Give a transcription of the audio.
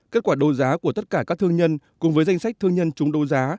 kết quả đối giá của tất cả các thương nhân cùng với danh sách thương nhân chúng đối giá